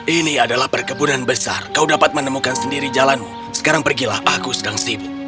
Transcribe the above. ini adalah perkebunan besar kau dapat menemukan sendiri jalanmu sekarang pergilah aku sedang sibuk